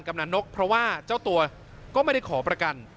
กำลังนกเพราะว่าเจ้าตัวก็ไม่ได้ขอประกัน